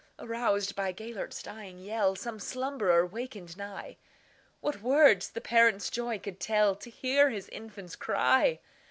Aroused by Gêlert's dying yell, Some slumberer wakened nigh:What words the parent's joy could tellTo hear his infant's cry!